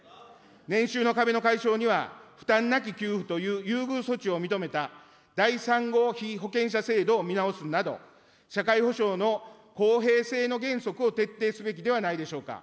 年収の壁の解消には、負担なき給付という優遇措置を認めた第３号被保険者制度を見直すなど、社会保障の公平性の原則を徹底すべきではないでしょうか。